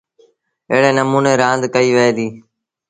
ايڙي نموٚني رآند ڪئيٚ وهي دي۔